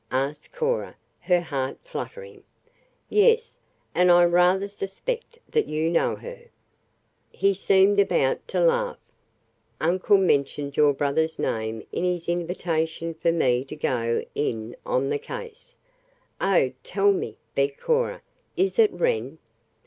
asked Cora, her heart fluttering. "Yes; and I rather suspect that you know her." He seemed about to laugh. "Uncle mentioned your brother's name in his invitation for me to go in on the case." "Oh, tell me," begged Cora, "is it Wren?"